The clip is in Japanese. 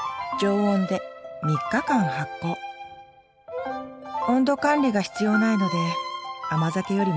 温度管理が必要ないので甘酒よりも簡単ですよ